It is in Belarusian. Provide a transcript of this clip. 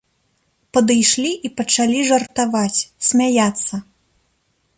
Падышлі і пачалі жартаваць, смяяцца.